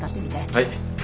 はい。